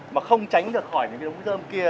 mà không tránh được khỏi những cái đống dơm kia